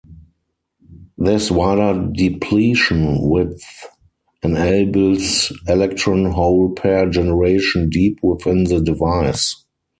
This wider depletion width enables electron-hole pair generation deep within the device.